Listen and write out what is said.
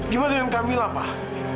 gimana dengan kamila pak